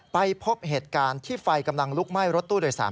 ไปพบเหตุการณ์ที่ไฟกำลังลุกไหม้รถตู้โดยสาร